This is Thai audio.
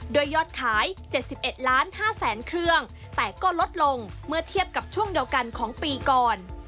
ยอดขาย๗๑ล้าน๕แสนเครื่องแต่ก็ลดลงเมื่อเทียบกับช่วงเดียวกันของปีก่อน